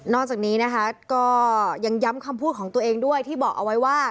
จากนี้นะคะก็ยังย้ำคำพูดของตัวเองด้วยที่บอกเอาไว้ว่า